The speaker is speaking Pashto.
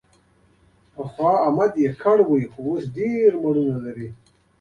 پخوا احمد یکه و، خو اوس ښه ډېر مېړونه لري.